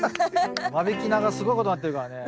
間引き菜がすごいことになってるからね。